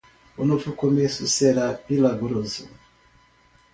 O novo começo será milagroso.